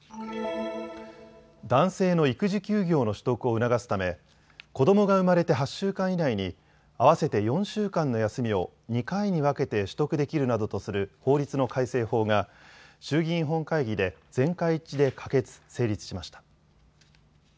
男性の育児休業の取得を促すため子どもが生まれて８週間以内に合わせて４週間の休みを２回に分けて取得できるなどとする法律の改正法が衆議院本会議で全会一致で可決・成立しました。